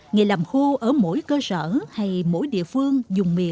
nghề làm khô ở mỗi cơ sở hay mỗi địa phương dùng